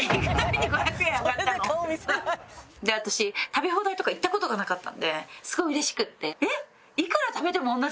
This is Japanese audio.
私食べ放題とか行った事がなかったのですごい嬉しくって。